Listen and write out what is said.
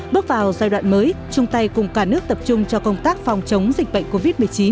bước vào giai đoạn mới chung tay cùng cả nước tập trung cho công tác phòng chống dịch bệnh covid một mươi chín